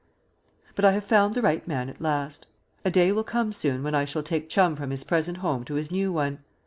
But I have found the right man at last. A day will come soon when I shall take Chum from his present home to his new one.